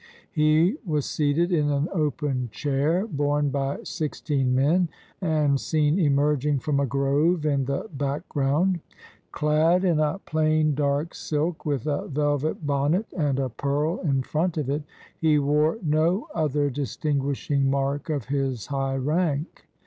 He was seated in an open chair, borne by six teen men, and seen emerging from a grove in the back ground. Clad in a plain dark silk with a velvet bonnet and a pearl in front of it, he wore no other distinguish ing mark of his high rank.